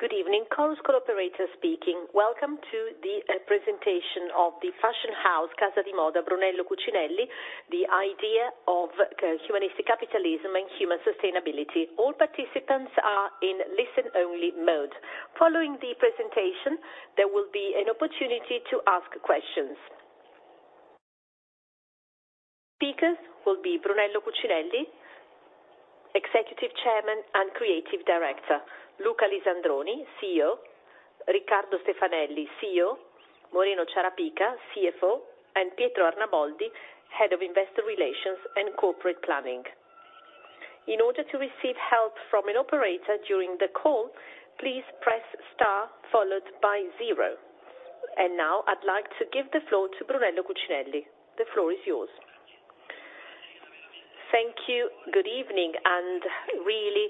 Good evening, Chorus Call operator speaking. Welcome to the presentation of the fashion house, Casa di Moda Brunello Cucinelli, the idea of humanistic capitalism and human sustainability. All participants are in listen-only mode. Following the presentation, there will be an opportunity to ask questions. Speakers will be Brunello Cucinelli, Executive Chairman and Creative Director, Luca Lisandroni, CEO, Riccardo Stefanelli, COO, Moreno Ciarapica, CFO, and Pietro Arnaboldi, Head of Investor Relations and Corporate Planning. And now I'd like to give the floor to Brunello Cucinelli. The floor is yours. Thank you. Good evening, and really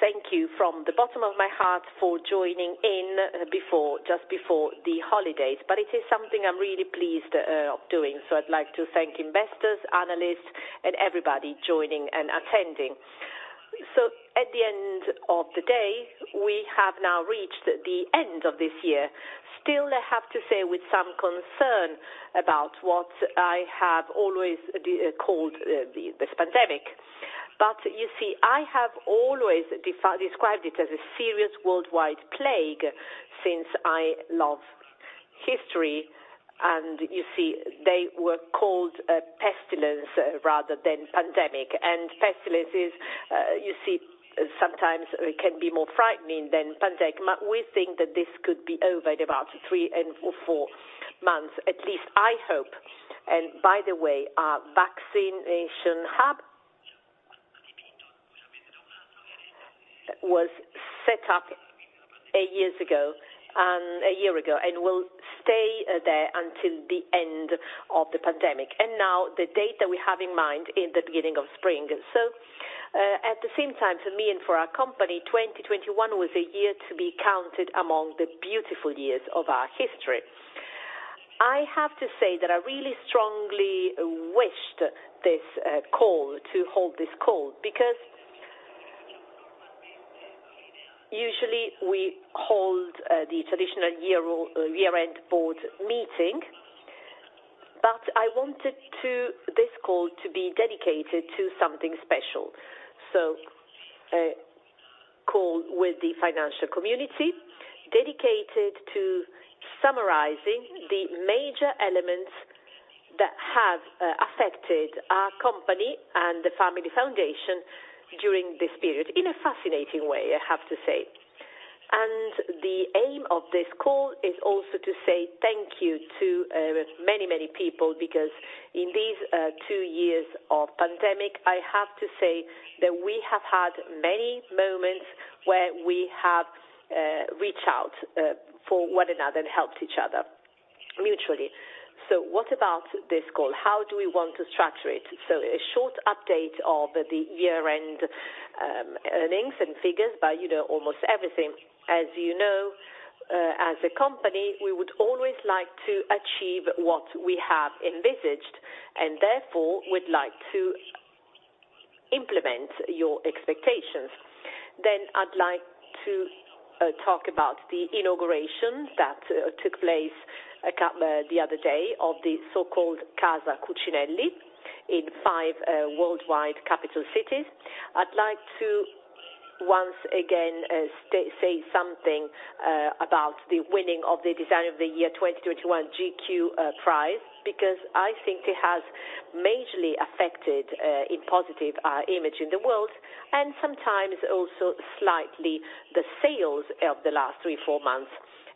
thank you from the bottom of my heart for joining in before, just before the holidays, but it is something I'm really pleased of doing. I'd like to thank investors, analysts, and everybody joining and attending. At the end of the day, we have now reached the end of this year. Still, I have to say, with some concern about what I have always called this pandemic. You see, I have always described it as a serious worldwide plague since I love history, and you see, they were called a pestilence rather than pandemic. Pestilence is, you see, sometimes it can be more frightening than pandemic. We think that this could be over in about three to four months, at least I hope. By the way, our vaccination hub was set up a year ago, and will stay there until the end of the pandemic. Now the date that we have in mind is in the beginning of spring. At the same time, for me and for our company, 2021 was a year to be counted among the beautiful years of our history. I have to say that I really strongly wished this call because usually we hold the traditional year-end board meeting, but I wanted this call to be dedicated to something special. A call with the financial community dedicated to summarizing the major elements that have affected our company and the family foundation during this period in a fascinating way, I have to say. The aim of this call is also to say thank you to many, many people, because in these two years of pandemic, I have to say that we have had many moments where we have reached out for one another and helped each other mutually. What about this call? How do we want to structure it? A short update of the year-end earnings and figures, but you know almost everything. As you know, as a company, we would always like to achieve what we have envisaged and therefore would like to implement your expectations. I'd like to talk about the inauguration that took place the other day of the so-called Casa Cucinelli in five worldwide capital cities. I'd like to once again say something about the winning of the Designer of the Year 2021 GQ prize, because I think it has majorly affected in positive our image in the world and sometimes also slightly the sales of the last three to four months.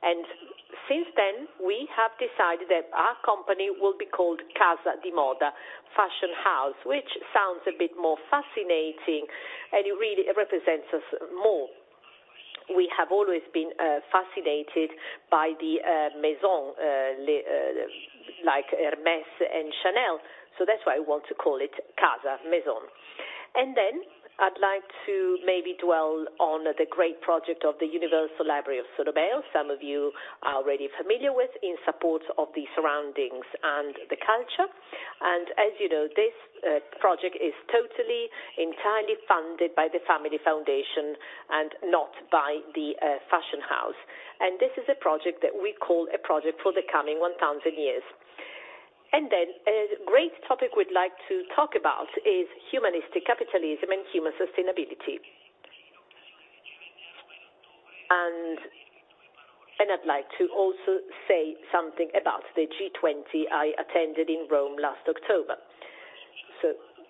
Since then, we have decided that our company will be called Casa di Moda Fashion House, which sounds a bit more fascinating, and it really represents us more. We have always been fascinated by the maison like Hermès and Chanel, so that's why I want to call it Casa Maison. I'd like to maybe dwell on the great project of the Universal Library of Solomeo, some of you are already familiar with, in support of the surroundings and the culture. As you know, this project is totally, entirely funded by the family foundation and not by the fashion house. This is a project that we call a project for the coming 1,000 years. A great topic we'd like to talk about is humanistic capitalism and human sustainability. I'd like to also say something about the G20 I attended in Rome last October.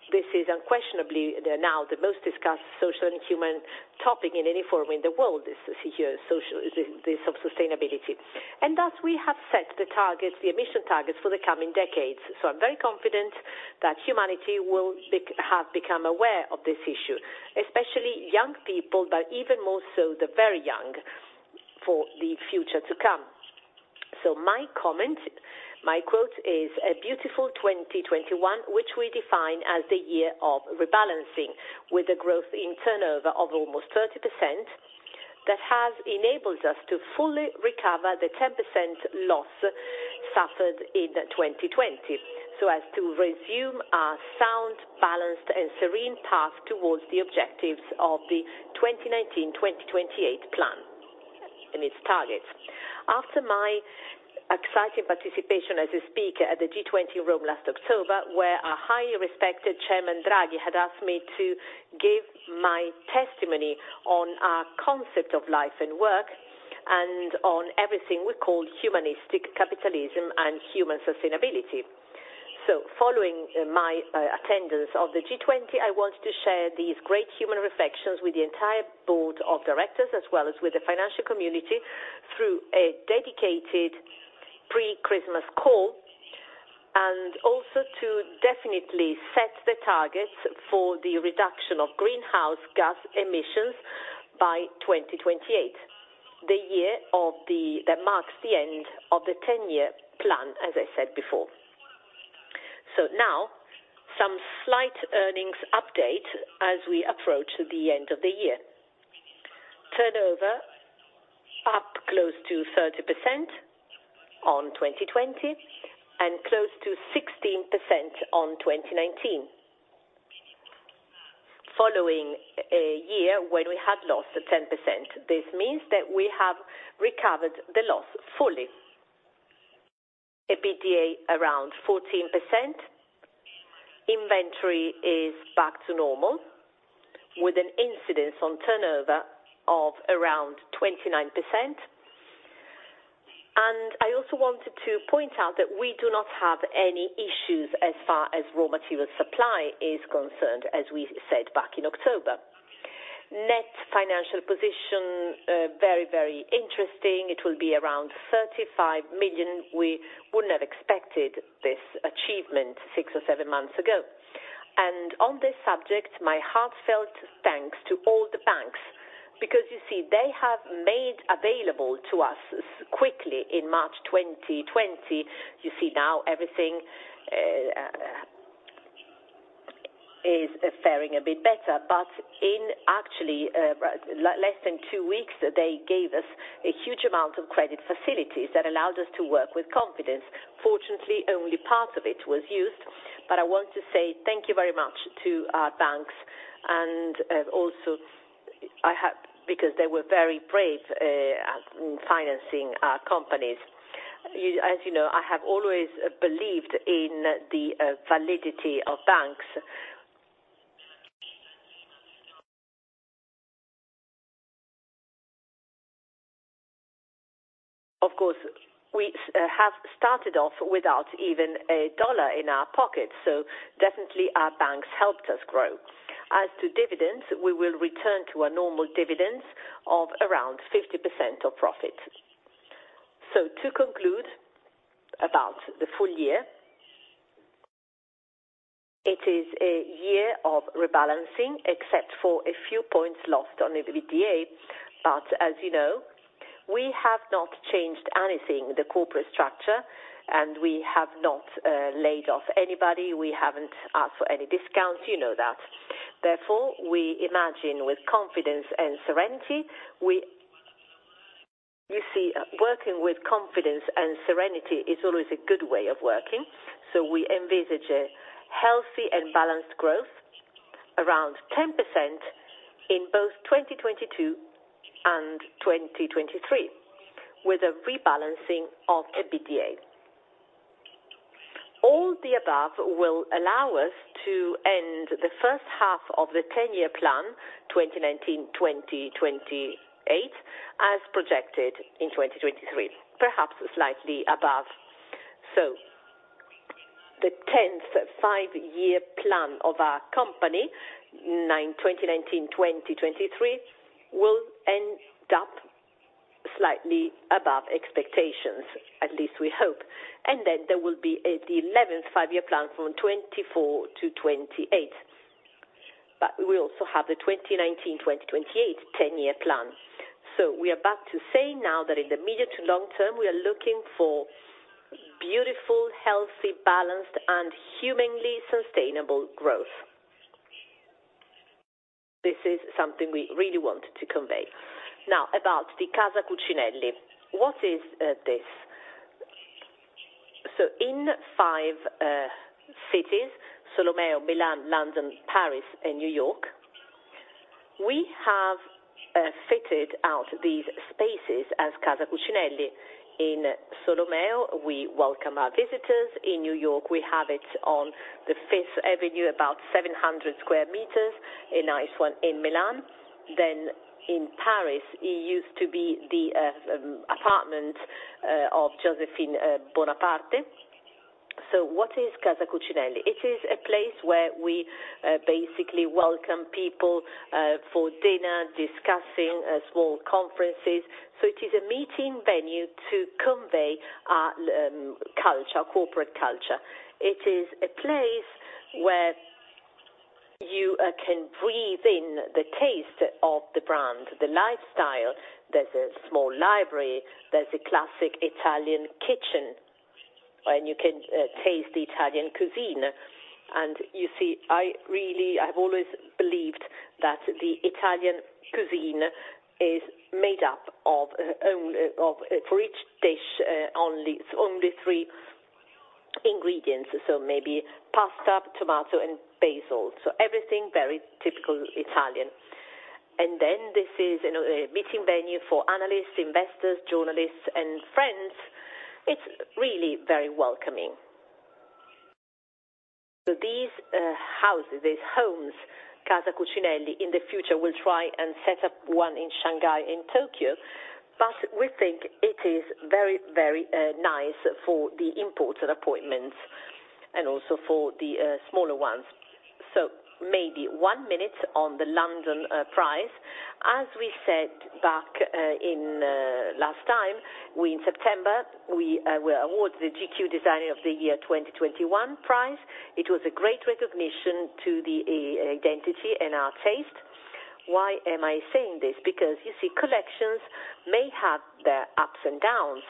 This is unquestionably now the most discussed social and human topic in any forum in the world, this issue, social self-sustainability. Thus we have set the targets, the emission targets for the coming decades. I'm very confident that humanity will have become aware of this issue, especially young people, but even more so the very young, for the future to come. My comment, my quote is, "A beautiful 2021, which we define as the year of rebalancing, with a growth in turnover of almost 30% that has enabled us to fully recover the 10% loss suffered in 2020, so as to resume our sound, balanced, and serene path towards the objectives of the 2019-2028 plan in its targets." After my exciting participation as a speaker at the G20 in Rome last October, where a highly respected Chairman Draghi had asked me to give my testimony on our concept of life and work, and on everything we call humanistic capitalism and human sustainability. Following my attendance of the G20, I want to share these great human reflections with the entire board of directors as well as with the financial community through a dedicated pre-Christmas call, and also to definitely set the targets for the reduction of greenhouse gas emissions by 2028, the year that marks the end of the ten-year plan, as I said before. Now some slight earnings update as we approach the end of the year. Turnover up close to 30% on 2020 and close to 16% on 2019. Following a year when we had lost 10%, this means that we have recovered the loss fully. EBITDA around 14%. Inventory is back to normal with an incidence on turnover of around 29%. I also wanted to point out that we do not have any issues as far as raw material supply is concerned, as we said back in October. Net financial position very, very interesting. It will be around 35 million. We wouldn't have expected this achievement six or seven months ago. On this subject, my heartfelt thanks to all the banks, because you see they have made available to us quickly in March 2020. You see now everything is faring a bit better, but actually, in less than two weeks, they gave us a huge amount of credit facilities that allowed us to work with confidence. Fortunately, only part of it was used. I want to say thank you very much to our banks. Also because they were very brave in financing our companies. As you know, I have always believed in the validity of banks. Of course, we have started off without even a dollar in our pocket, so definitely our banks helped us grow. As to dividends, we will return to our normal dividends of around 50% of profit. To conclude about the full year, it is a year of rebalancing, except for a few points lost on the EBITDA. As you know, we have not changed anything, the corporate structure, and we have not laid off anybody. We haven't asked for any discounts. You know that. Therefore, we imagine with confidence and serenity. You see, working with confidence and serenity is always a good way of working. We envisage a healthy and balanced growth around 10% in both 2022 and 2023, with a rebalancing of EBITDA. All the above will allow us to end the first half of the ten-year plan, 2019-2028, as projected in 2023, perhaps slightly above. The 10th five-year plan of our company, 2019-2023, will end up slightly above expectations. At least we hope. There will be the 11th five-year plan from 2024-2028. We also have the 2019-2028 ten-year plan. We are about to say now that in the medium to long term, we are looking for beautiful, healthy, balanced, and humanly sustainable growth. This is something we really want to convey. Now about the Casa Cucinelli. What is this? In five cities, Solomeo, Milan, London, Paris, and New York, we have fitted out these spaces as Casa Cucinelli. In Solomeo, we welcome our visitors. In New York, we have it on Fifth Avenue, about 700 sq m, a nice one in Milan. In Paris, it used to be the apartment of Joséphine Bonaparte. What is Casa Cucinelli? It is a place where we basically welcome people for dinner, discussing small conferences. It is a meeting venue to convey our culture, corporate culture. It is a place where you can breathe in the taste of the brand, the lifestyle. There's a small library, there's a classic Italian kitchen, and you can taste the Italian cuisine. I've always believed that the Italian cuisine is made up of only for each dish only three ingredients, so maybe pasta, tomato, and basil. Everything very typical Italian. This is in a meeting venue for analysts, investors, journalists, and friends. It's really very welcoming. These houses, these homes, Casa Cucinelli, in the future, we'll try and set up one in Shanghai and Tokyo, but we think it is very nice for the important appointments and also for the smaller ones. Maybe one minute on the London Prize. As we said back in last time in September, we were awarded the GQ Designer of the Year 2021 prize. It was a great recognition to the identity and our taste. Why am I saying this? Because, you see, collections may have their ups and downs,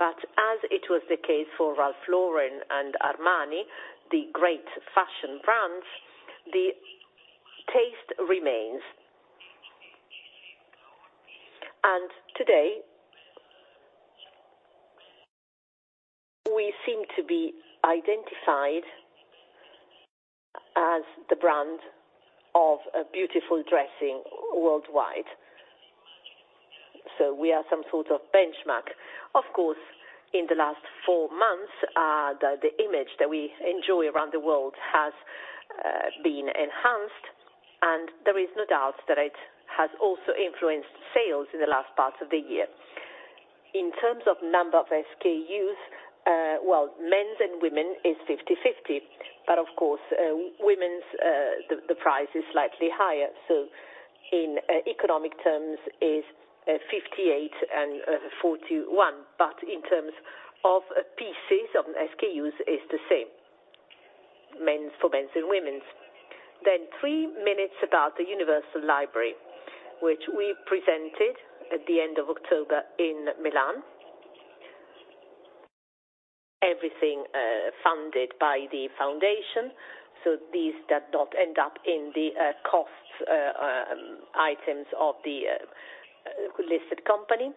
but as it was the case for Ralph Lauren and Armani, the great fashion brands, the taste remains. Today, we seem to be identified as the brand of a beautiful dressing worldwide. We are some sort of benchmark. Of course, in the last four months, the image that we enjoy around the world has been enhanced, and there is no doubt that it has also influenced sales in the last part of the year. In terms of number of SKUs, well, men's and women's is 50/50. Of course, women's, the price is slightly higher. In economic terms is 58% and 41%, but in terms of pieces of SKUs is the same, men's and women's. Three minutes about the Universal Library, which we presented at the end of October in Milan. Everything funded by the foundation, so these do not end up in the costs items of the listed company.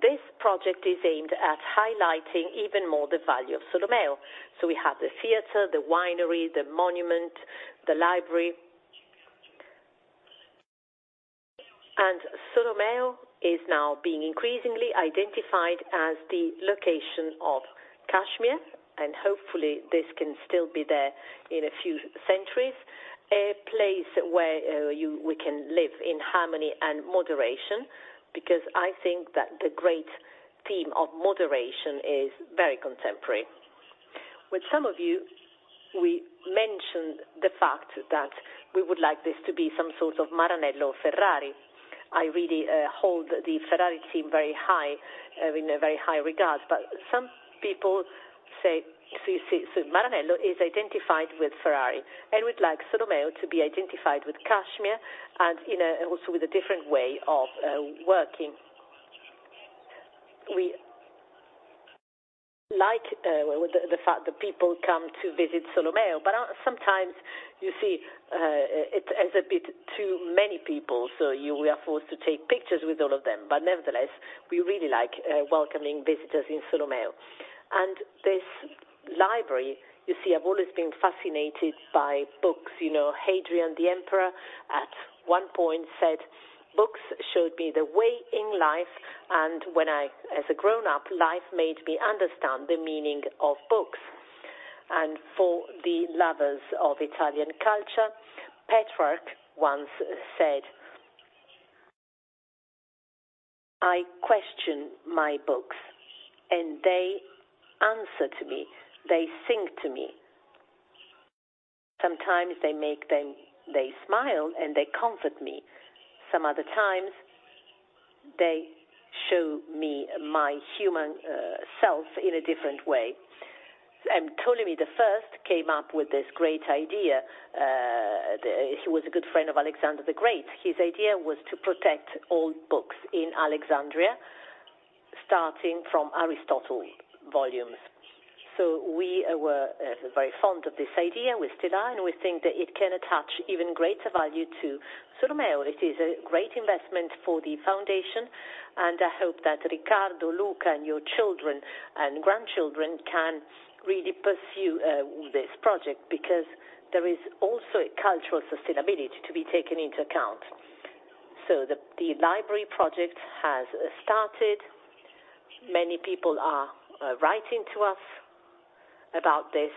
This project is aimed at highlighting even more the value of Solomeo. We have the theater, the winery, the monument, the library. Solomeo is now being increasingly identified as the location of cashmere, and hopefully, this can still be there in a few centuries. A place where we can live in harmony and moderation, because I think that the great theme of moderation is very contemporary. With some of you, we mentioned the fact that we would like this to be some sort of Maranello Ferrari. I really hold the Ferrari team very high in a very high regard. Some people say, so you see, so Maranello is identified with Ferrari, and we'd like Solomeo to be identified with cashmere and also with a different way of working. We like the fact that people come to visit Solomeo, but sometimes, you see, it's a bit too many people, so we are forced to take pictures with all of them. Nevertheless, we really like welcoming visitors in Solomeo. This library, you see, I've always been fascinated by books. You know, Hadrian the Emperor at one point said, "Books showed me the way in life, and when I as a grown-up, life made me understand the meaning of books." For the lovers of Italian culture, Petrarch once said, "I question my books, and they answer to me. They sing to me. Sometimes they smile, and they comfort me. Some other times, they show me my human self in a different way." Ptolemy I came up with this great idea. He was a good friend of Alexander the Great. His idea was to protect all books in Alexandria, starting from Aristotle volumes. We were very fond of this idea. We still are, and we think that it can attach even greater value to Solomeo. It is a great investment for the foundation, and I hope that Riccardo, Luca, and your children and grandchildren can really pursue this project because there is also a cultural sustainability to be taken into account. The library project has started. Many people are writing to us about this,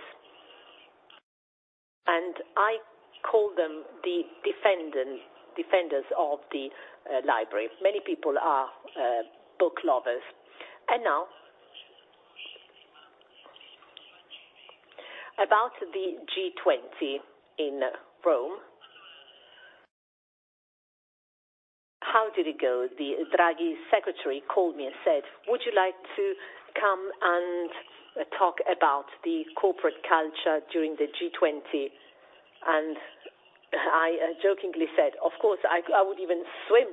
and I call them the defenders of the library. Many people are book lovers. Now, about the G20 in Rome. How did it go? Draghi's secretary called me and said, "Would you like to come and talk about the corporate culture during the G20?" I jokingly said, "Of course, I would even swim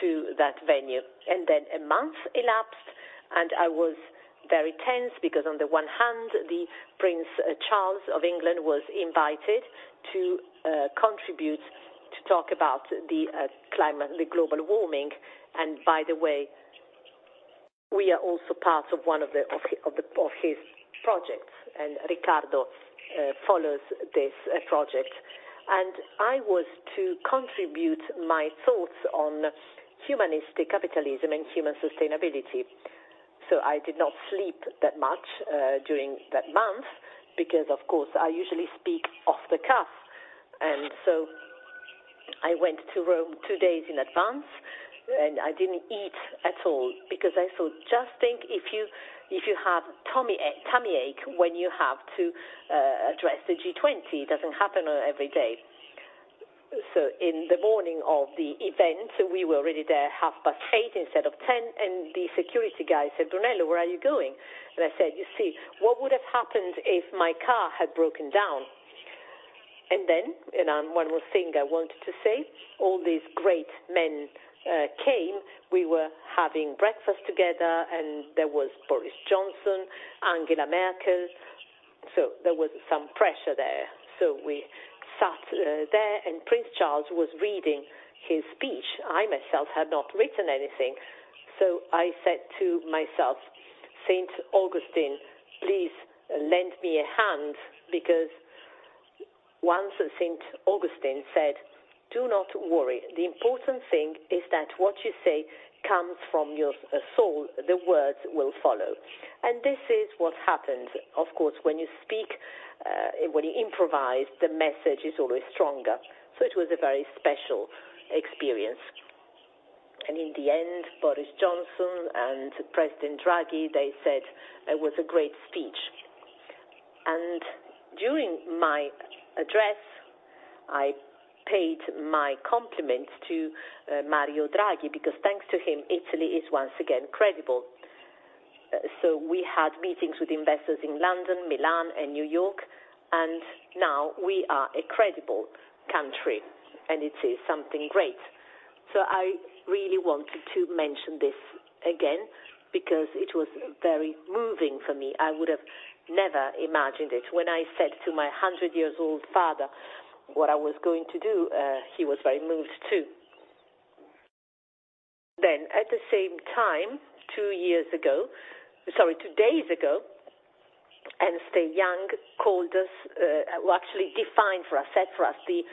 to that venue." A month elapsed, and I was very tense because on the one hand, Prince Charles of England was invited to contribute to talk about the climate, the global warming. By the way, we are also part of one of his projects, and Riccardo follows this project. I was to contribute my thoughts on humanistic capitalism and human sustainability. I did not sleep that much during that month because, of course, I usually speak off the cuff. I went to Rome two days in advance, and I didn't eat at all because I thought, just think if you have tummy ache when you have to address the G20. It doesn't happen every day. In the morning of the event, we were already there 8:30 A.M. instead of 10:00 A.M., and the security guy said, "Brunello, where are you going?" I said, "You see, what would have happened if my car had broken down?" One more thing I wanted to say, all these great men came. We were having breakfast together and there was Boris Johnson, Angela Merkel, so there was some pressure there. We sat there, and Prince Charles was reading his speech. I myself had not written anything. I said to myself, "Saint Augustine, please lend me a hand," because once Saint Augustine said, "Do not worry. The important thing is that what you say comes from your soul. The words will follow." This is what happened. Of course, when you speak, when you improvise, the message is always stronger. It was a very special experience. In the end, Boris Johnson and President Draghi, they said it was a great speech. During my address, I paid my compliments to Mario Draghi because thanks to him, Italy is once again credible. We had meetings with investors in London, Milan and New York, and now we are a credible country, and it is something great. I really wanted to mention this again because it was very moving for me. I would have never imagined it. When I said to my 100-year-old father what I was going to do, he was very moved, too. At the same time, two days ago, Ernst & Young called us, well, actually defined for us, set for us the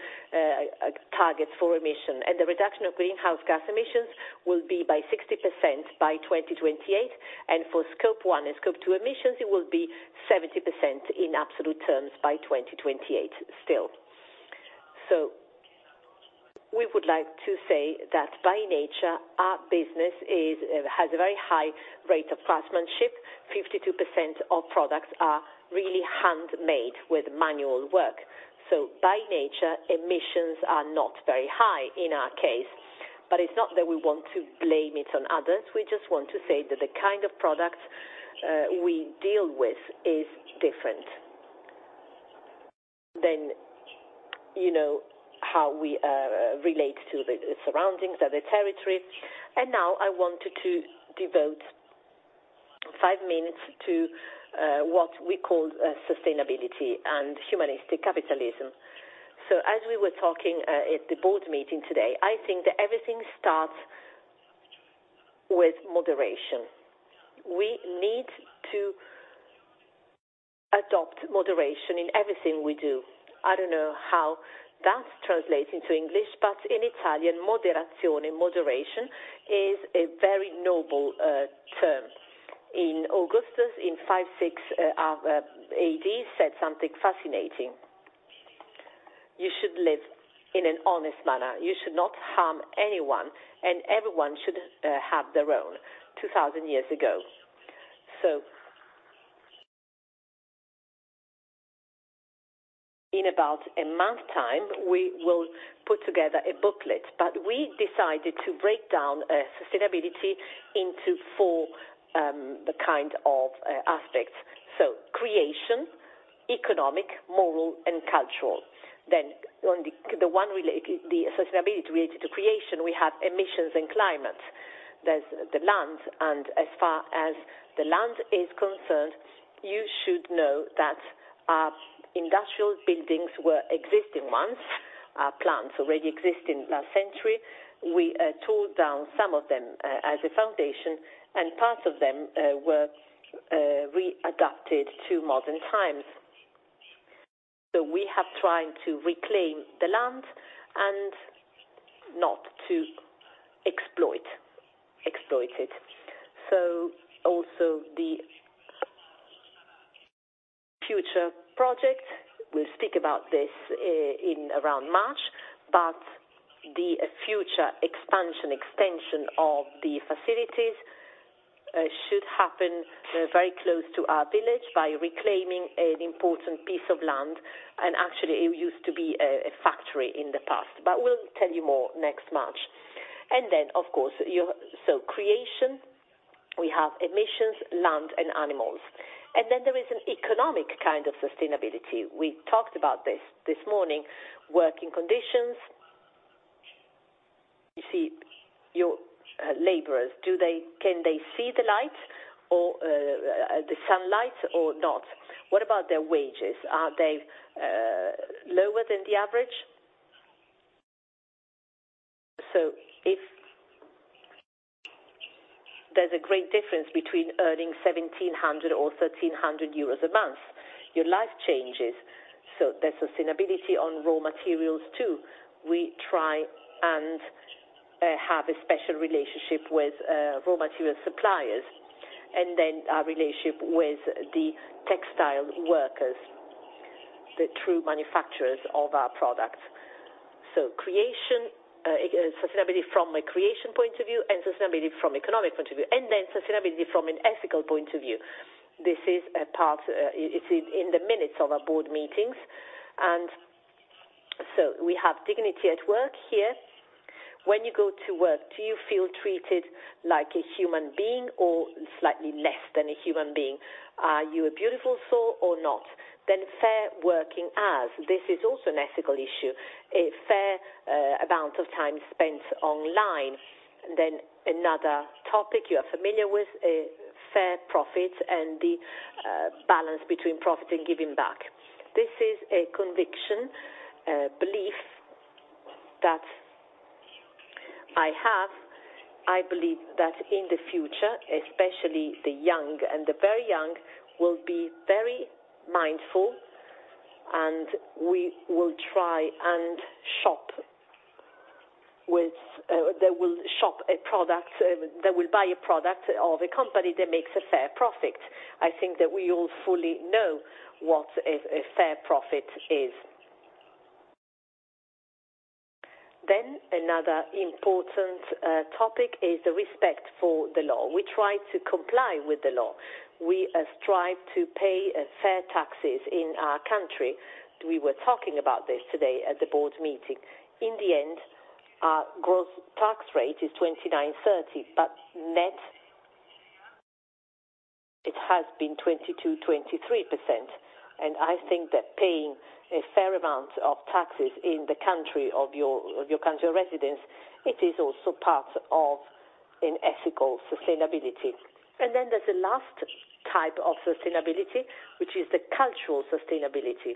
target for emission. The reduction of greenhouse gas emissions will be by 60% by 2028. For Scope 1 and Scope 2 emissions, it will be 70% in absolute terms by 2028 still. We would like to say that by nature, our business is, has a very high rate of craftsmanship. 52% of products are really handmade with manual work. By nature, emissions are not very high in our case. It's not that we want to blame it on others. We just want to say that the kind of products we deal with is different. You know, how we relate to the surroundings or the territory. Now I wanted to devote five minutes to what we call sustainability and humanistic capitalism. As we were talking at the board meeting today, I think that everything starts with moderation. We need to adopt moderation in everything we do. I don't know how that translates into English, but in Italian, moderazione, moderation, is a very noble term. As Augustus in 5-6 AD said something fascinating. You should live in an honest manner. You should not harm anyone, and everyone should have their own. 2,000 years ago. In about a month's time, we will put together a booklet. We decided to break down sustainability into four kinds of aspects. Creation, economic, moral and cultural. On the sustainability related to creation, we have emissions and climate. There's the land, and as far as the land is concerned, you should know that our industrial buildings were existing ones. Our plants already exist in last century. We tore down some of them as a foundation, and parts of them were readapted to modern times. We have tried to reclaim the land and not to exploit it. Also the future project, we'll speak about this in around March, but the future expansion, extension of the facilities should happen very close to our village by reclaiming an important piece of land. Actually, it used to be a factory in the past, but we'll tell you more next March. Creation, we have emissions, land and animals. There is an economic kind of sustainability. We talked about this morning, working conditions. See your laborers, can they see the light or the sunlight or not? What about their wages? Are they lower than the average? If there's a great difference between earning 1,700 or 1,300 euros a month, your life changes. There's sustainability on raw materials, too. We try and have a special relationship with raw material suppliers, and then our relationship with the textile workers, the true manufacturers of our products. Creation, sustainability from a creation point of view and sustainability from economic point of view, and then sustainability from an ethical point of view. This is a part, it's in the minutes of our board meetings. We have dignity at work here. When you go to work, do you feel treated like a human being or slightly less than a human being? Are you a beautiful soul or not? Fair working hours. This is also an ethical issue, a fair amount of time spent online. Another topic you are familiar with, a fair profit and the balance between profit and giving back. This is a conviction, a belief that I have. I believe that in the future, especially the young and the very young, will be very mindful, and they will shop a product, they will buy a product of a company that makes a fair profit. I think that we all fully know what a fair profit is. Another important topic is the respect for the law. We try to comply with the law. We strive to pay fair taxes in our country. We were talking about this today at the board meeting. In the end, our gross tax rate is 29%-30%, but net it has been 22%-23%. I think that paying a fair amount of taxes in the country of your country of residence, it is also part of an ethical sustainability. Then there's the last type of sustainability, which is the cultural sustainability.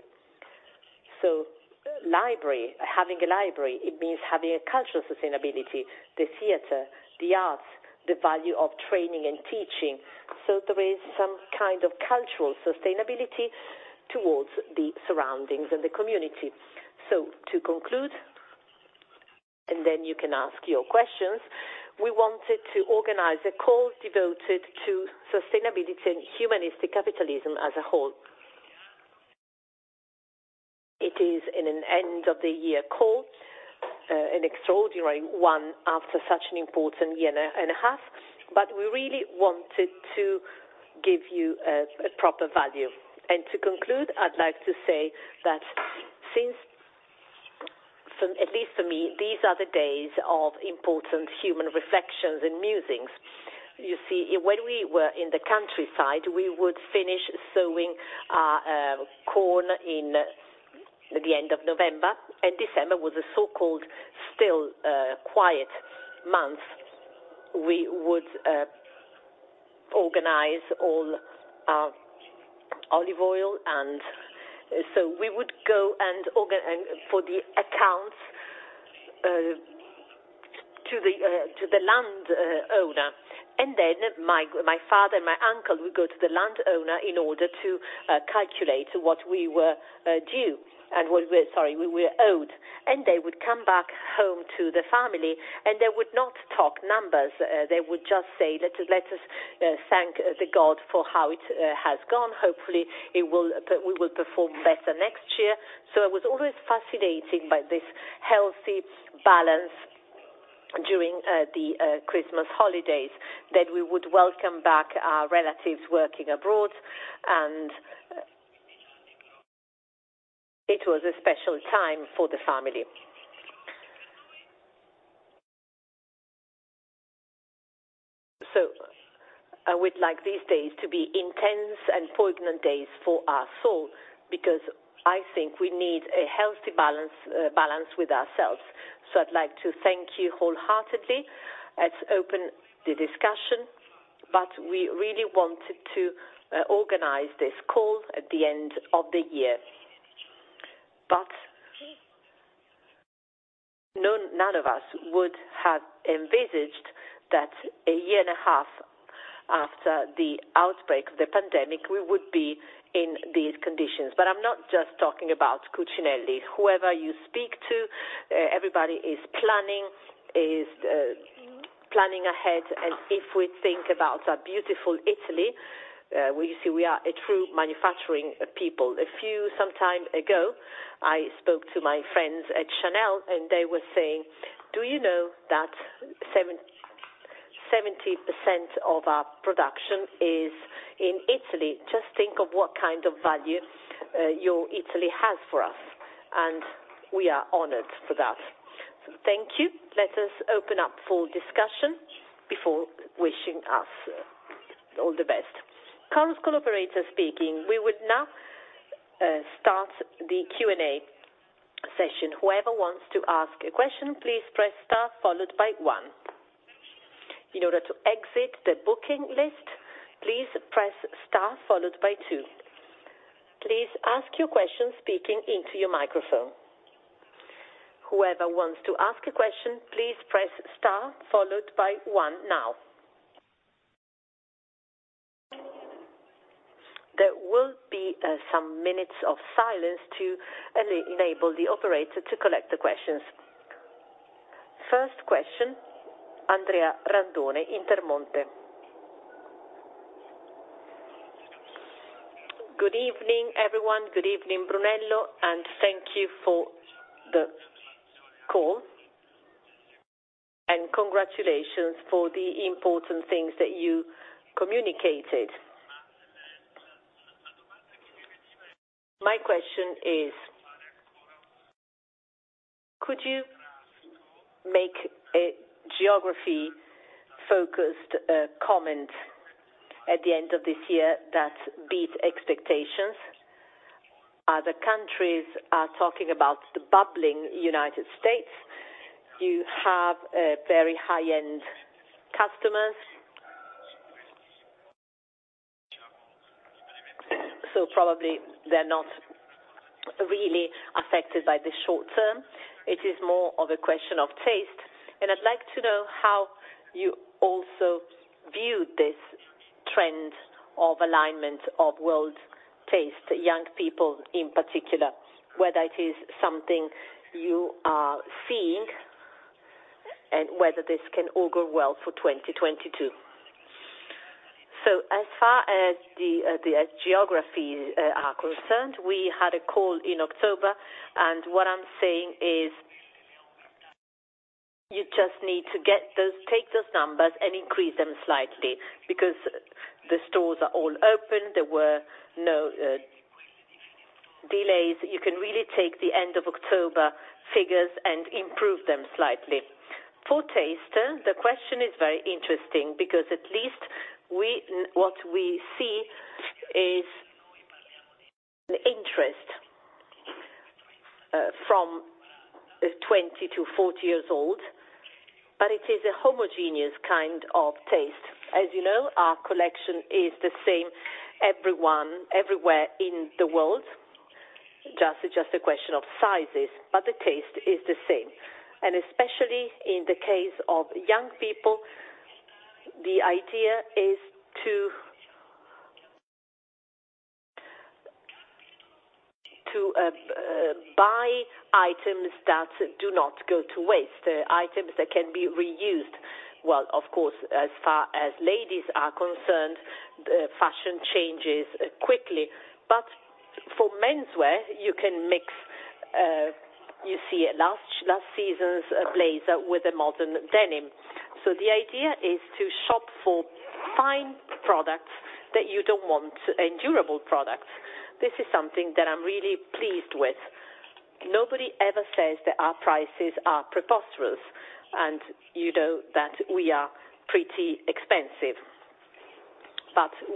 Library, having a library, it means having a cultural sustainability. The theater, the arts, the value of training and teaching. There is some kind of cultural sustainability towards the surroundings and the community. To conclude, and then you can ask your questions. We wanted to organize a call devoted to sustainability and humanistic capitalism as a whole. It is in an end of the year call, an extraordinary one after such an important year and a half. We really wanted to give you a proper value. To conclude, I'd like to say that since, for, at least for me, these are the days of important human reflections and musings. You see, when we were in the countryside, we would finish sowing our corn in the end of November, and December was a so-called still, quiet month. We would organize all our olive oil. We would go for the accounts to the landowner. My father and my uncle would go to the landowner in order to calculate what we were due and, sorry, what we were owed. They would come back home to the family, and they would not talk numbers. They would just say that, "Let us thank the God for how it has gone. Hopefully, it will, we will perform better next year." I was always fascinated by this healthy balance during the Christmas holidays, that we would welcome back our relatives working abroad. It was a special time for the family. I would like these days to be intense and poignant days for our soul, because I think we need a healthy balance with ourselves. I'd like to thank you wholeheartedly. Let's open the discussion. We really wanted to organize this call at the end of the year. None of us would have envisaged that a year and a half after the outbreak of the pandemic, we would be in these conditions. I'm not just talking about Cucinelli. Whoever you speak to, everybody is planning ahead. If we think about our beautiful Italy, we see we are a true manufacturing people. A few months ago, I spoke to my friends at Chanel, and they were saying, "Do you know that 70% of our production is in Italy? Just think of what kind of value your Italy has for us." We are honored for that. Thank you. Let us open up for discussion before wishing us all the best. There will be some minutes of silence to enable the operator to collect the questions. First question, Andrea Randone, Intermonte. Good evening, everyone. Good evening, Brunello, and thank you for the call. Congratulations for the important things that you communicated. My question is, could you make a geography-focused comment at the end of this year that beat expectations? Other countries are talking about the troubling United States. You have very high-end customers. So probably they're not really affected by the short term. It is more of a question of taste. I'd like to know how you also view this trend of alignment of world taste, young people in particular, whether it is something you are seeing and whether this can all go well for 2022. As far as the geographies are concerned, we had a call in October, and what I'm saying is you just need to take those numbers and increase them slightly because the stores are all open. There were no delays. You can really take the end of October figures and improve them slightly. For taste, the question is very interesting because what we see is an interest from 20-40 years old, but it is a homogeneous kind of taste. As you know, our collection is the same everywhere in the world. Just a question of sizes, but the taste is the same. Especially in the case of young people, the idea is to buy items that do not go to waste, items that can be reused. Well, of course, as far as ladies are concerned, fashion changes quickly. For menswear, you can mix, you see last season's blazer with a modern denim. The idea is to shop for fine products that you do want and durable products. This is something that I'm really pleased with. Nobody ever says that our prices are preposterous, and you know that we are pretty expensive.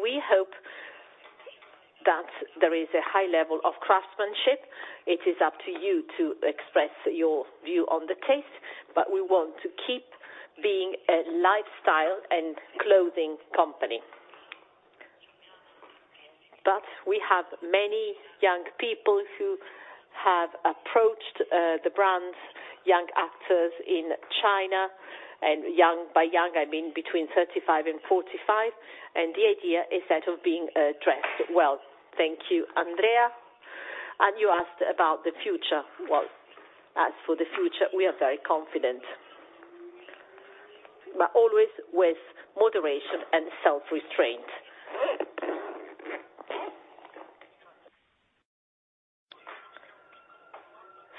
We hope that there is a high level of craftsmanship. It is up to you to express your view on the taste, but we want to keep being a lifestyle and clothing company. We have many young people who have approached the brands, young actors in China, and young. By young, I mean between 35 and 45. The idea is that of being dressed well. Thank you, Andrea. You asked about the future. Well, as for the future, we are very confident, but always with moderation and self-restraint.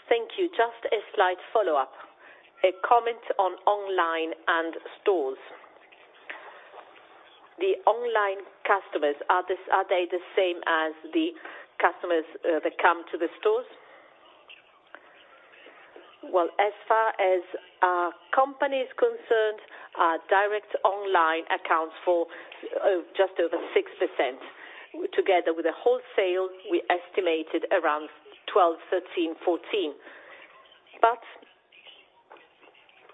Thank you. Just a slight follow-up. A comment on online and stores. The online customers, are they the same as the customers that come to the stores? Well, as far as our company is concerned, our direct online accounts for just over 6%. Together with the wholesale, we estimated around 12, 13, 14. But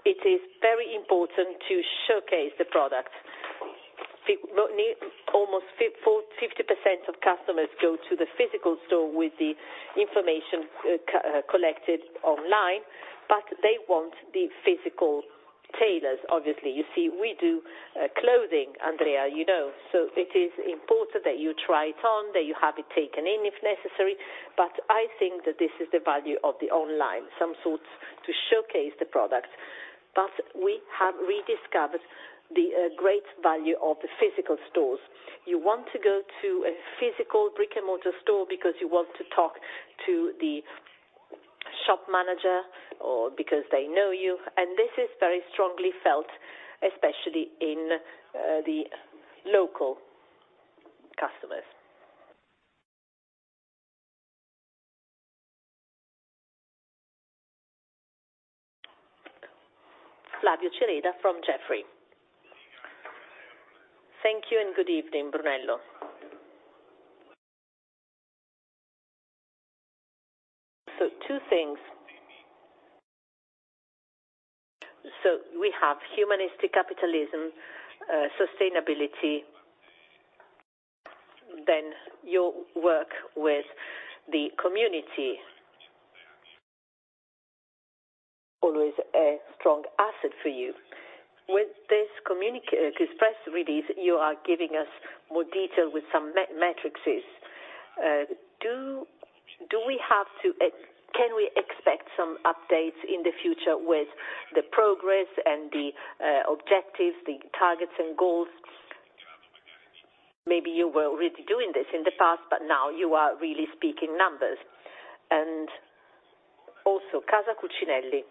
it is very important to showcase the product. Almost 50% of customers go to the physical store with the information collected online, but they want the physical tailors, obviously. You see, we do clothing, Andrea, you know. So it is important that you try it on, that you have it taken in if necessary. I think that this is the value of the online, some sorts to showcase the product. We have rediscovered the great value of the physical stores. You want to go to a physical brick-and-mortar store because you want to talk to the shop manager or because they know you. This is very strongly felt, especially in the local customers. Flavio Cereda from Jefferies. Thank you and good evening, Brunello. Two things. We have humanistic capitalism, sustainability, then your work with the community. Always a strong asset for you. With this press release, you are giving us more detail with some metrics. Can we expect some updates in the future with the progress and the objectives, the targets and goals? Maybe you were already doing this in the past, but now you are really speaking numbers. Also Casa Cucinelli.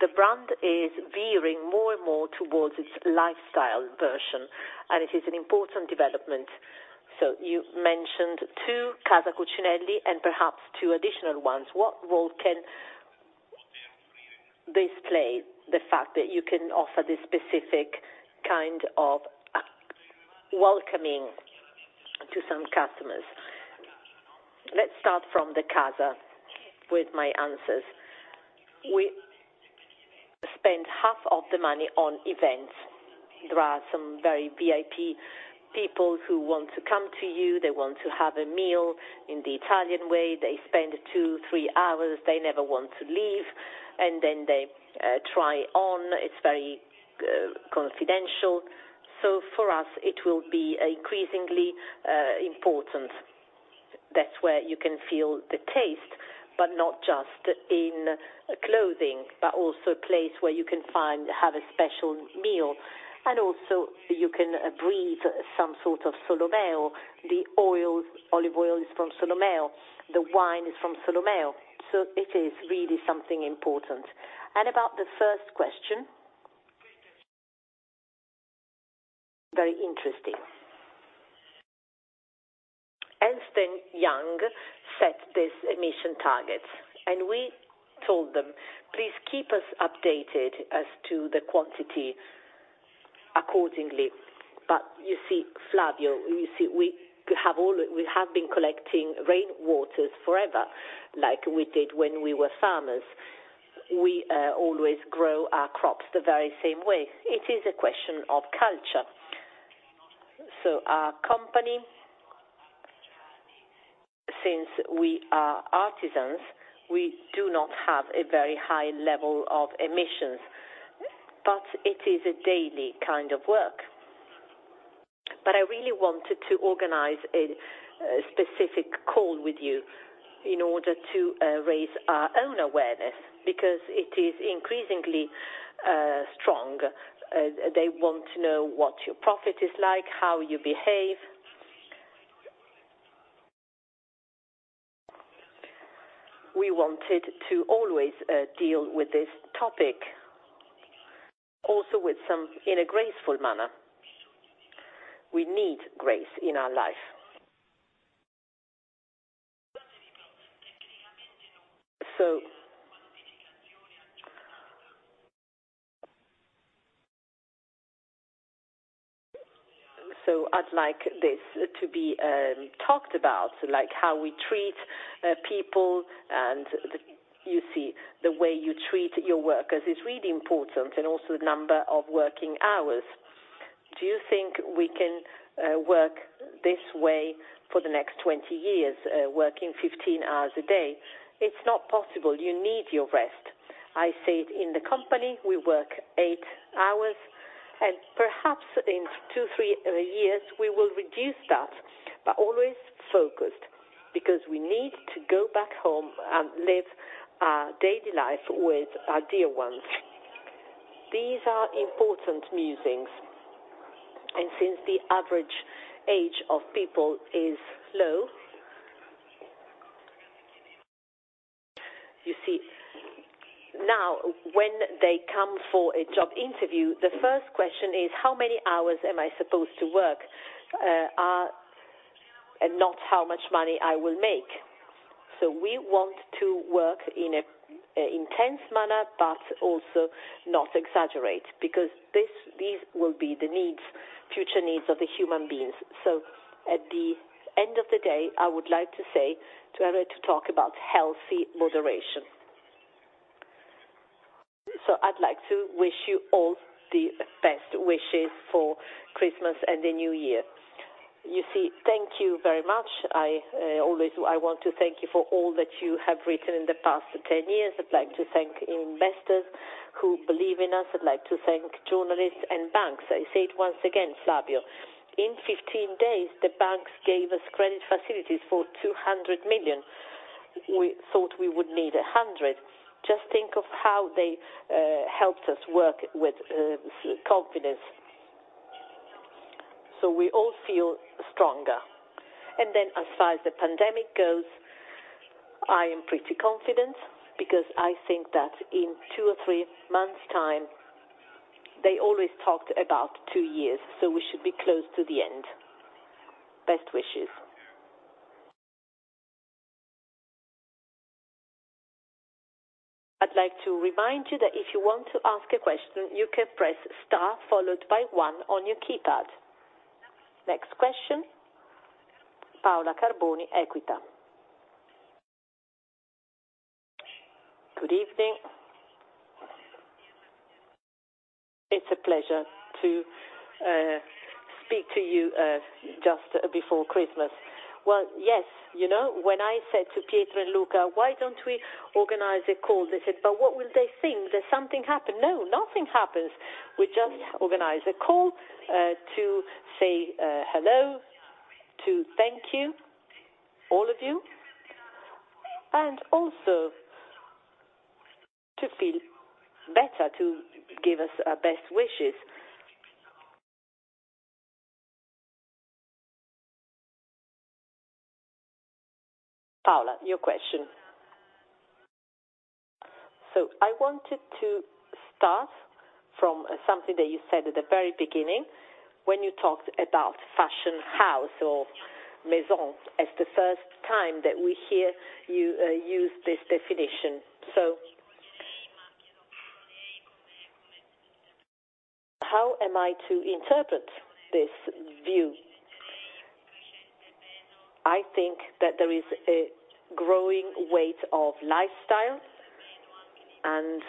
The brand is veering more and more towards its lifestyle version, and it is an important development. You mentioned two Casa Cucinelli and perhaps two additional ones. What role can this play, the fact that you can offer this specific kind of welcoming to some customers? Let's start from the Casa with my answers. We spend half of the money on events. There are some very VIP people who want to come to you, they want to have a meal in the Italian way. They spend two, three hours, they never want to leave, and then they try on. It's very confidential. For us, it will be increasingly important. That's where you can feel the taste, but not just in clothing, but also a place where you can find have a special meal. You can breathe some sort of Solomeo. The oils, olive oil is from Solomeo. The wine is from Solomeo. It is really something important. About the first question. Very interesting. Ernst & Young set these emission targets, and we told them, "Please keep us updated as to the quantity accordingly." You see, Flavio, we have been collecting rain waters forever, like we did when we were farmers. We always grow our crops the very same way. It is a question of culture. Our company, since we are artisans, we do not have a very high level of emissions, but it is a daily kind of work. I really wanted to organize a specific call with you in order to raise our own awareness because it is increasingly strong. They want to know what your profit is like, how you behave. We wanted to always deal with this topic, also with some in a graceful manner. We need grace in our life. I'd like this to be talked about, like how we treat people and the way you treat your workers is really important and also the number of working hours. Do you think we can work this way for the next 20 years, working 15 hours a day? It's not possible. You need your rest. I said in the company we work eight hours, and perhaps in two, three years we will reduce that, but always focused, because we need to go back home and live our daily life with our dear ones. These are important musings. Since the average age of people is low, you see. Now, when they come for a job interview, the first question is, "How many hours am I supposed to work?" and not how much money I will make. We want to work in an intense manner, but also not exaggerate, because these will be the needs, future needs of the human beings. At the end of the day, I would like to say, to have to talk about healthy moderation. I'd like to wish you all the best wishes for Christmas and the new year. You see, thank you very much. I always want to thank you for all that you have written in the past 10 years. I'd like to thank investors who believe in us. I'd like to thank journalists and banks. I say it once again, Flavio, in 15 days, the banks gave us credit facilities for 200 million. We thought we would need 100 million. Just think of how they helped us work with confidence. We all feel stronger. As far as the pandemic goes, I am pretty confident because I think that in two or three months' time, they always talked about two years, so we should be close to the end. Best wishes. I'd like to remind you that if you want to ask a question, you can press star followed by one on your keypad. Next question, Paola Carboni, EQUITA. Good evening. It's a pleasure to speak to you just before Christmas. Well, yes, you know, when I said to Pietro and Luca, "Why don't we organize a call?" They said, "But what will they think? That something happened?" No, nothing happens. We just organize a call to say hello, to thank you, all of you, and also to feel better, to give us our best wishes. Paola, your question. I wanted to start from something that you said at the very beginning when you talked about fashion house or maison as the first time that we hear you use this definition. How am I to interpret this view? I think that there is a growing weight of lifestyle and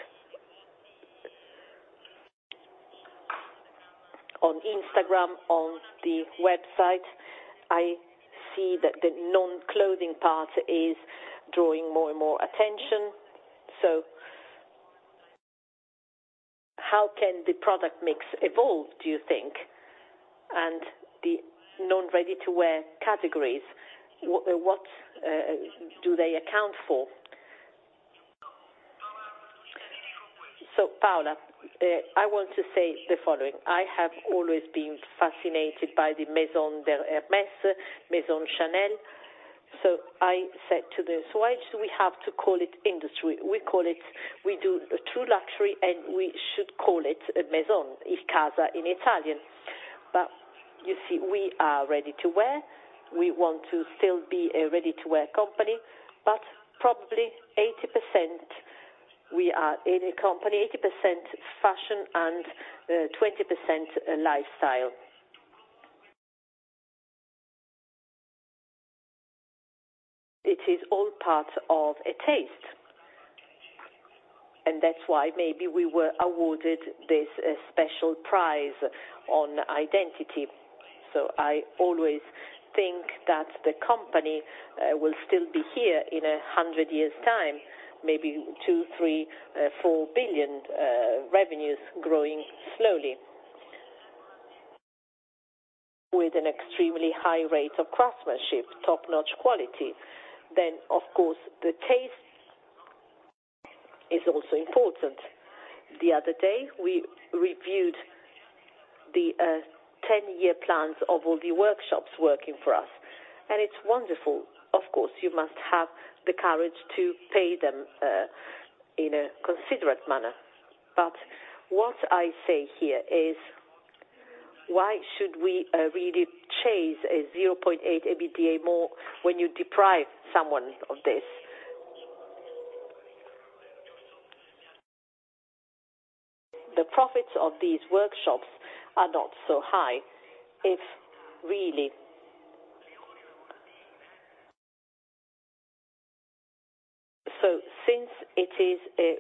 on Instagram, on the website, I see that the non-clothing part is drawing more and more attention. How can the product mix evolve, do you think? And the non-ready-to-wear categories, what do they account for? Paola, I want to say the following. I have always been fascinated by the Maison Hermès, Maison Chanel. I said to this, "Why do we have to call it industry? We call it. We do true luxury, and we should call it a maison, a casa in Italian." But you see, we are ready to wear. We want to still be a ready-to-wear company, but probably 80%, we are in a company, 80% fashion and 20% lifestyle. It is all part of a taste, and that's why maybe we were awarded this special prize on identity. I always think that the company will still be here in 100 years' time, maybe 2 billion, 3 billion, 4 billion revenues growing slowly. With an extremely high rate of craftsmanship, top-notch quality. Of course, the taste is also important. The other day, we reviewed the 10-year plans of all the workshops working for us, and it's wonderful. Of course, you must have the courage to pay them in a considerate manner. What I say here is, why should we really chase a 0.8 EBITDA more when you deprive someone of this? The profits of these workshops are not so high if really. Since it is a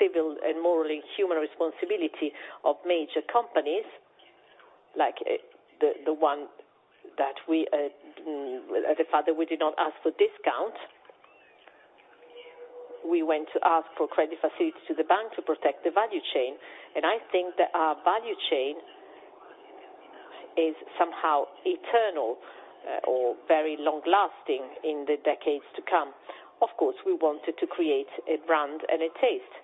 civil and morally human responsibility of major companies, the fact that we did not ask for discount, we went to ask for credit facilities to the bank to protect the value chain. I think that our value chain is somehow eternal or very long-lasting in the decades to come. Of course, we wanted to create a brand and a taste.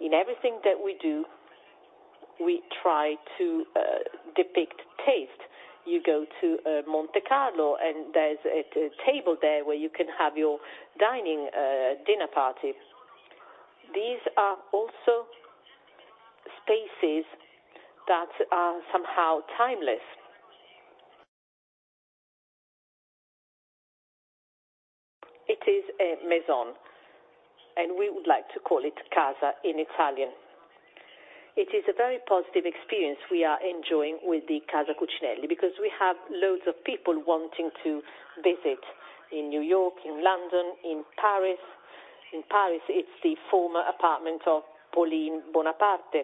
In everything that we do, we try to depict taste. You go to Monte Carlo, and there's a table there where you can have your dining dinner party. These are also spaces that are somehow timeless. It is a maison, and we would like to call it casa in Italian. It is a very positive experience we are enjoying with the Casa Cucinelli because we have loads of people wanting to visit in New York, in London, in Paris. In Paris, it's the former apartment of Pauline Bonaparte.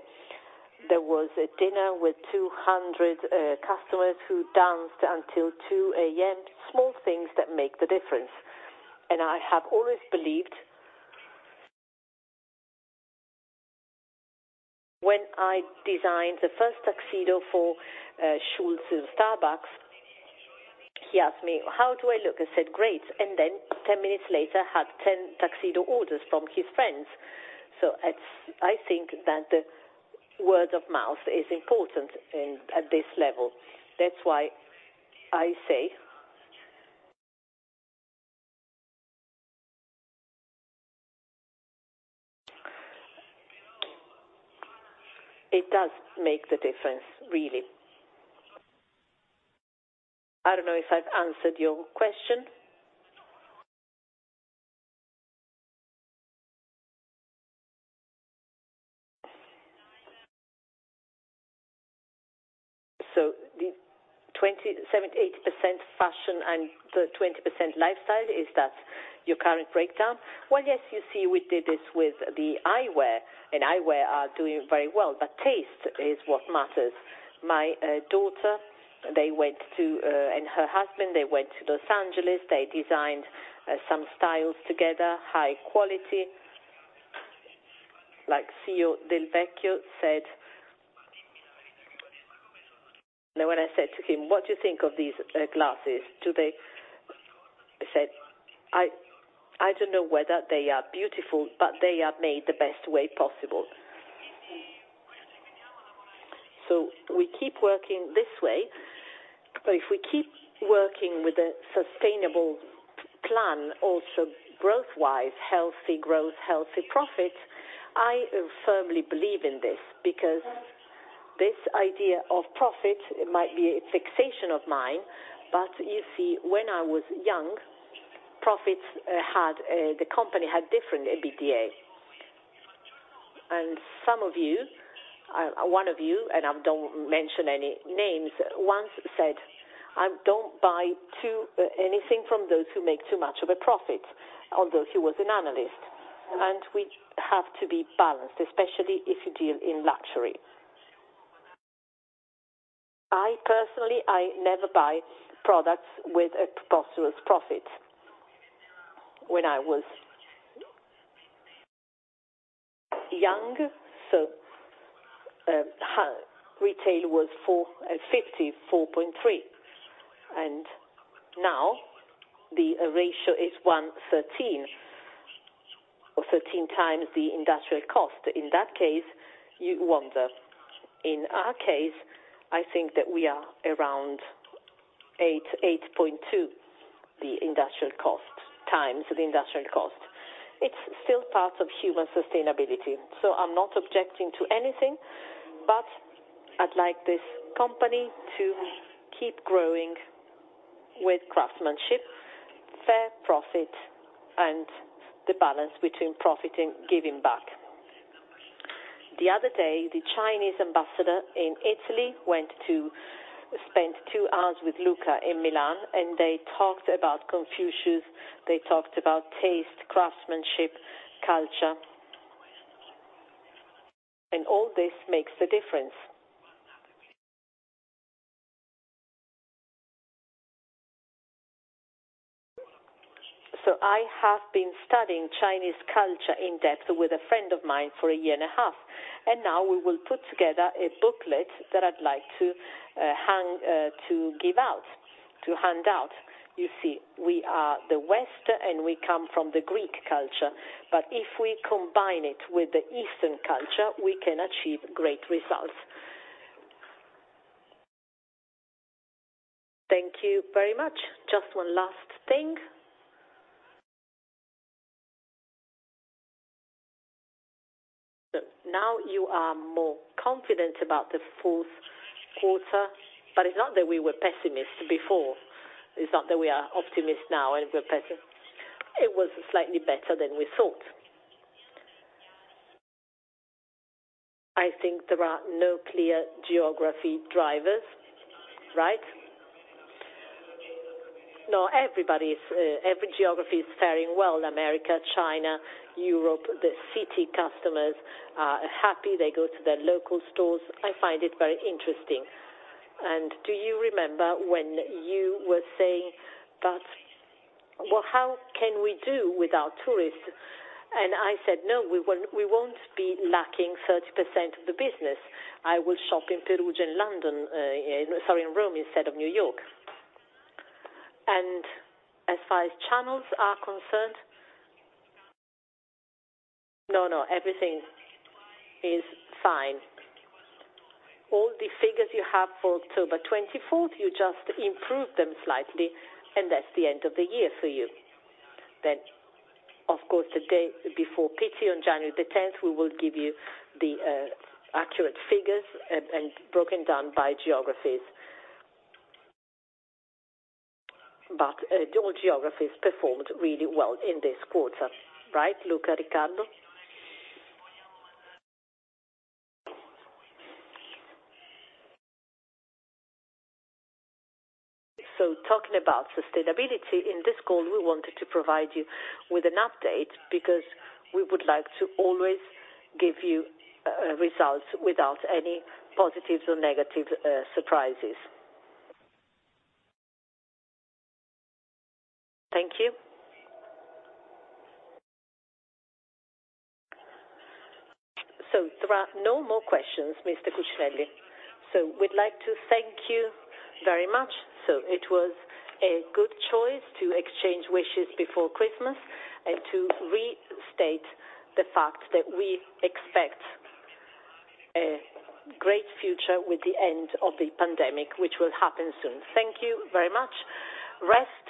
There was a dinner with 200 customers who danced until 2:00 A.M. Small things that make the difference. I have always believed. When I designed the first tuxedo for Schultz in Starbucks, he asked me, "How do I look?" I said, "Great." Then 10 minutes later, had 10 tuxedo orders from his friends. It's I think that word of mouth is important at this level. That's why I say. It does make the difference, really. I don't know if I've answered your question. The 27.8% fashion and the 20% lifestyle, is that your current breakdown? Well, yes. You see, we did this with the eyewear, and eyewear are doing very well, but taste is what matters. My daughter and her husband went to Los Angeles. They designed some styles together, high quality. Like CEO Del Vecchio said. Now, when I said to him, "What do you think of these glasses? Do they..." He said, "I don't know whether they are beautiful, but they are made the best way possible." We keep working this way. If we keep working with a sustainable plan, also growth-wise, healthy growth, healthy profit, I firmly believe in this because this idea of profit, it might be a fixation of mine, but you see, when I was young, the company had different EBITDA. Some of you, one of you, and I don't mention any names, once said, "I don't buy anything from those who make too much of a profit," although he was an analyst. We have to be balanced, especially if you deal in luxury. I personally, I never buy products with a preposterous profit. When I was young, retail was 54.3, and now the ratio is 113 or 13x the industrial cost. In that case, you wonder. In our case, I think that we are around 8.2x the industrial cost. It's still part of human sustainability, so I'm not objecting to anything, but I'd like this company to keep growing with craftsmanship, fair profit, and the balance between profit and giving back. The other day, the Chinese ambassador in Italy went to spend two hours with Luca in Milan, and they talked about Confucius. They talked about taste, craftsmanship, culture. All this makes a difference. I have been studying Chinese culture in depth with a friend of mine for a year and a half, and now we will put together a booklet that I'd like to hand out. You see, we are the West, and we come from the Greek culture, but if we combine it with the Eastern culture, we can achieve great results. Thank you very much. Just one last thing. Now you are more confident about the fourth quarter, but it's not that we were pessimists before. It's not that we are optimists now and we're pessimists. It was slightly better than we thought. I think there are no clear geography drivers, right? No. Every geography is faring well, America, China, Europe. The city customers are happy. They go to their local stores. I find it very interesting. Do you remember when you were saying that, "Well, how can we do without tourists?" I said, "No, we won't be lacking 30% of the business. I will shop in Perugia and London, in Rome instead of New York." As far as channels are concerned, no, everything is fine. All the figures you have for October 24, you just improve them slightly, and that's the end of the year for you. Of course, the day before Pitti on January 10, we will give you the accurate figures and broken down by geographies. All geographies performed really well in this quarter, right, Luca, Riccardo? Talking about sustainability, in this call, we wanted to provide you with an update because we would like to always give you results without any positive or negative surprises. Thank you. There are no more questions, Mr. Cucinelli. We'd like to thank you very much. It was a good choice to exchange wishes before Christmas and to restate the fact that we expect a great future with the end of the pandemic, which will happen soon. Thank you very much. Rest,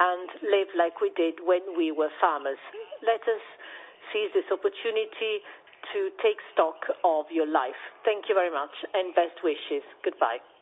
and live like we did when we were farmers. Let us seize this opportunity to take stock of your life. Thank you very much and best wishes. Goodbye.